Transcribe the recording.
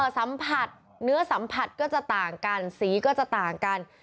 สัมผัสเนื้อสัมผัสก็จะต่างกันสีก็จะต่างกัน